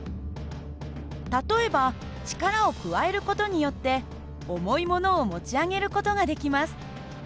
例えば力を加える事によって重いものを持ち上げる事ができます。